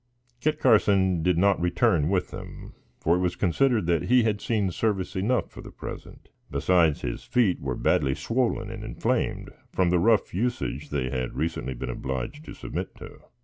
Kit Carson did not return with them, for it was considered that he had seen service enough for the present; besides, his feet were badly swollen and inflamed from the rough usage they had recently been obliged to submit to.